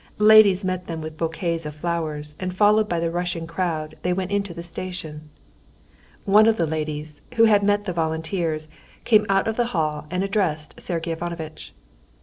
Ladies met them with bouquets of flowers, and followed by the rushing crowd they went into the station. One of the ladies, who had met the volunteers, came out of the hall and addressed Sergey Ivanovitch.